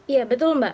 iya betul mbak